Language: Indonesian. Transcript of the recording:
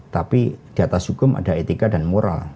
tapi di atas hukum ada etika dan moral